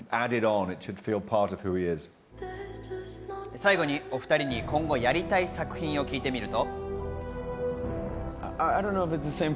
最後にお２人に今後やりたい作品を聞いてみると。